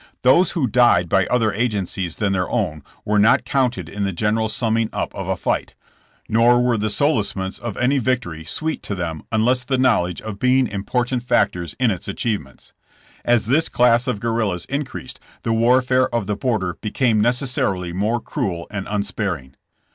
Those who died by other agencies than their own were not counted in the general summing up of a fight, nor were the solacements of any victory sweet to them unless the knowledge of being important factors in its achievements. As this class of guerrillas increased, the warfare of the border became necessarily more cruel and unsparing.